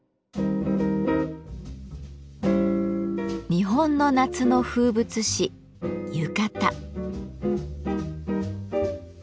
日本の夏の風物詩「浴衣」。